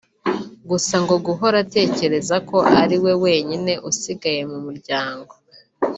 Gusa ngo guhora atekereza ko ari we wenyine usigaye mu muryango